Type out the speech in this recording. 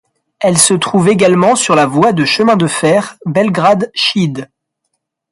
Elle se trouve également sur la voie de chemin de fer Belgrade-Šid.